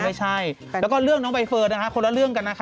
แล้วก็เรื่องน้องไบเฟิร์นนะคะคนละเรื่องกันนะคะ